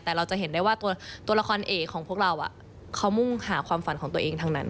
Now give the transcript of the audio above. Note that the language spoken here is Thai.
แต่เราจะเห็นได้ว่าตัวละครเอกของพวกเราเขามุ่งหาความฝันของตัวเองทั้งนั้น